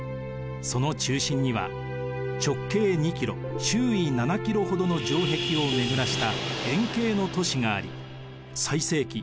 その中心には直径２キロ周囲７キロほどの城壁を巡らした円形の都市があり最盛期